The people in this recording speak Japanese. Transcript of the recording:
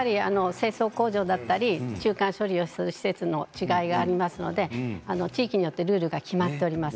清掃工場だったり中間処理をする施設の違いがありますので、地域によってルールが決めてあります。